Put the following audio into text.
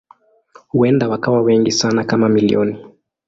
Huenda wakawa wengi sana kama milioni.